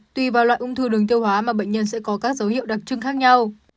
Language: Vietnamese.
tùy vào loại ung thư đường tiêu hóa mà bệnh nhân sẽ có các dấu hiệu đặc trưng khác nhau